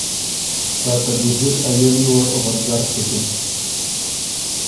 که ته بیزِر ا یډی وه ورګر سُکِن۔